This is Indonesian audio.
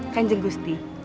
kan jeng gusti